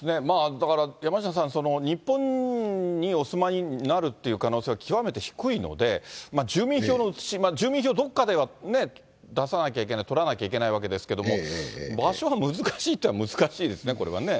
だから山下さん、日本にお住まいになるっていう可能性は極めて低いので、住民票の写し、住民票、どっかではね、出さなきゃいけない、取らなきゃいけないわけですけれども、場所が難しいといえば、難しいですね、これはね。